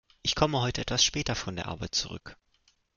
Ich komme heute etwas später von der Arbeit zurück.